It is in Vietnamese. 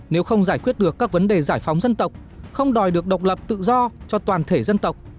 nếu không giải quyết được các vấn đề giải phóng dân tộc không đòi được độc lập tự do cho toàn thể dân tộc